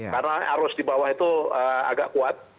karena arus di bawah itu agak kuat